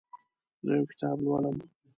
زه یو کتاب لولم.